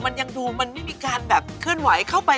มันยังดูมันไม่มีการแบบเคลื่อนไหวเข้าไป